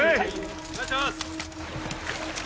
お願いします！